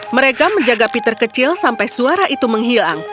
mereka menjaga peter kecil sampai suara itu menghilang